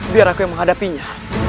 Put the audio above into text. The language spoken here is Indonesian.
biar aku yang menghadapinya